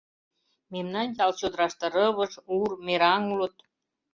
— Мемнан ял чодыраште рывыж, ур, мераҥ улыт.